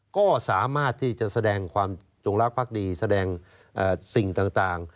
ก็สามารถที่จะแสดงความจงลักษณ์ภักดีแสดงเอ่อสิ่งต่างต่าง